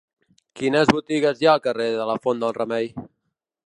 Quines botigues hi ha al carrer de la Font del Remei?